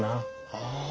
ああ。